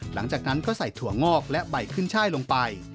หลังจากนั้นก็ใส่ถั่วงอกและใบขึ้นช่ายลงไป